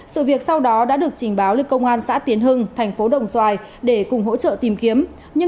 sự việc sau đó đã được trình báo lên công an xã tiến hưng thành phố đồng xoài để cùng hỗ trợ tìm kiếm